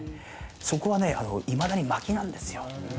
そこはいまだに薪なんですよ。